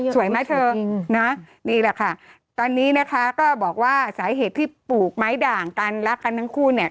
สวยไหมเธอนะนี่แหละค่ะตอนนี้นะคะก็บอกว่าสาเหตุที่ปลูกไม้ด่างกันรักกันทั้งคู่เนี่ย